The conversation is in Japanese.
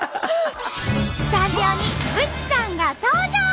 スタジオにブチさんが登場！